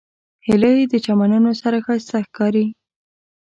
هیلۍ د چمنونو سره ښایسته ښکاري